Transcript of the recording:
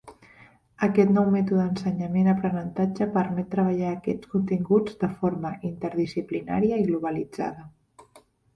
Aquest nou mètode d'ensenyament- aprenentatge permet treballar aquests continguts de forma interdisciplinària i globalitzada.